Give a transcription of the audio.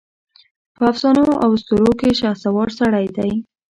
په افسانواواسطوروکې شهسوار سړی دی